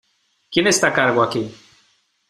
¿ Quién está a cargo aquí?